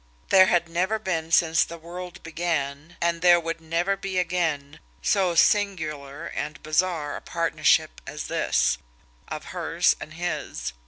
There had never been since the world began, and there would never be again, so singular and bizarre a partnership as this of hers and his.